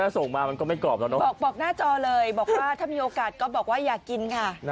ส่งมามันก็ไม่กรอบแล้วเนอะบอกหน้าจอเลยบอกว่าถ้ามีโอกาสก็บอกว่าอยากกินค่ะ